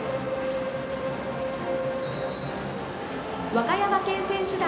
和歌山県選手団。